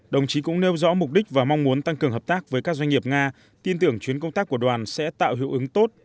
đồng chí cũng nêu rõ mục đích và mong muốn tăng cường hợp tác với các doanh nghiệp nga tin tưởng chuyến công tác của đoàn sẽ tạo hữu ứng tốt